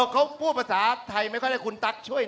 เขาพูดภาษาไทยไม่ค่อยได้คุณตั๊กช่วย